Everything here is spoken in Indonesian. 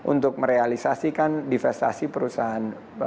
untuk merealisasikan divestasi perusahaan